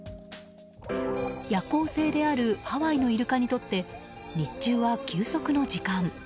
夜行性であるハワイのイルカにとって日中は休息の時間。